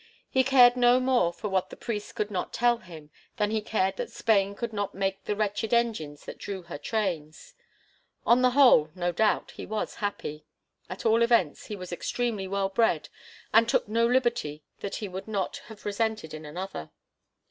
He cared no more for what the priests could not tell him than he cared that Spain could not make the wretched engines that drew her trains. On the whole, no doubt, he was happy. At all events, he was extremely well bred, and took no liberty that he would not have resented in another.